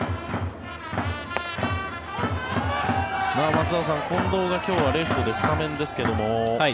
松坂さん、近藤が今日はレフトでスタメンですが。